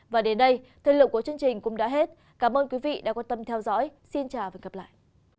và đến đây thời lượng của chương trình cũng đã hết cảm ơn quý vị đã quan tâm theo dõi xin chào và hẹn gặp lại